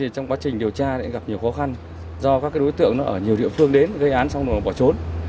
trong quá trình điều tra gặp nhiều khó khăn do các đối tượng ở nhiều địa phương đến gây án xong rồi bỏ trốn